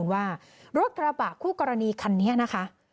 ว่ารถกระบะคู่กรณีคันนี้นะคะ